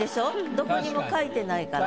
どこにも書いてないから。